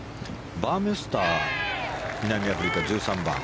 バーメスター南アフリカ、１３番。